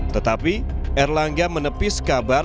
tetapi erlangga menepis kabar